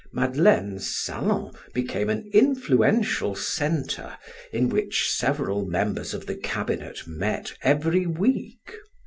Madeleine's salon became an influential center in which several members of the cabinet met every week.